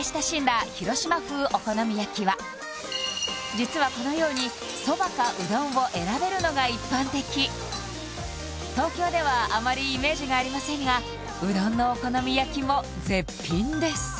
実はこのようにそばかうどんを選べるのが一般的東京ではあまりイメージがありませんがうどんのお好み焼きも絶品です